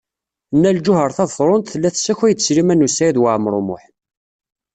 Nna Lǧuheṛ Tabetṛunt tella tessakay-d Sliman U Saɛid Waɛmaṛ U Muḥ.